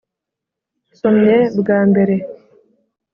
nsomye bwa mbere!